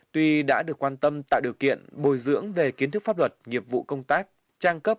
tuy đã được quan tâm tạo điều kiện bồi dưỡng về kiến thức pháp luật nghiệp vụ công tác trang cấp